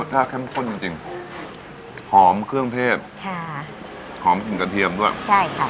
เข้มข้นจริงจริงหอมเครื่องเทศค่ะหอมกลิ่นกระเทียมด้วยใช่ค่ะ